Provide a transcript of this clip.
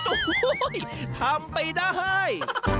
โอ้โหทำไปได้